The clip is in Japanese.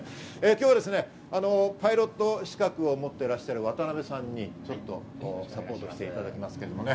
今日はパイロット資格を持ってらっしゃる渡邉さんにサポートしていただきます。